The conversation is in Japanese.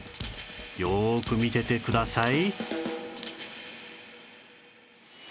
よーく見ててください